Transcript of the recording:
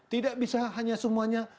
tidak bisa hanya semuanya